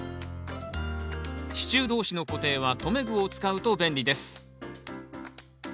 支柱同士の固定は留め具を使うと便利です。